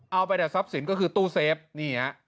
เอาไปแต่ทรัพย์สินก็คือตู้เซฟนี่ฮะ